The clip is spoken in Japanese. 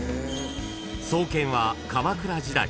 ［創建は鎌倉時代］